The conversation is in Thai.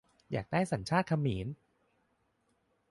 อยากได้สัญชาติเขมร ?